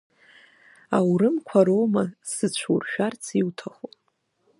Аурымқәа роума сзыцәуршәарц иуҭаху?